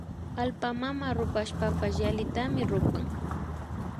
Allpa mama rupashpapash yallitami rupan